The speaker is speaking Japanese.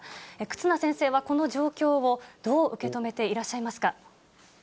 忽那先生はこの状況を、どう受け止めていらっしゃいますか。